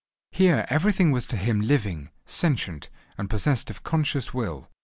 Here everything was to him living, sentient, and possessed of conscious will.